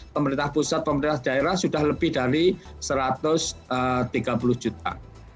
pemerintah pusat pemerintah daerah sudah lebih dari satu ratus tiga puluh juta